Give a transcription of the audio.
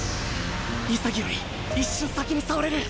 潔より一瞬先に触れる